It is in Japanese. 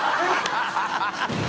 ハハハ